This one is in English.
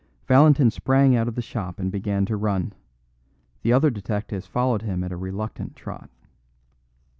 Valentin sprang out of the shop and began to run. The other detectives followed him at a reluctant trot.